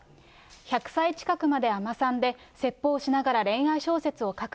１００歳近くまで尼さんで、説法しながら恋愛小説を書く。